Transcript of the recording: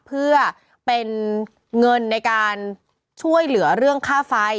เพื่อเป็นเงินในการช่วยเหลือเรื่องค่าไฟ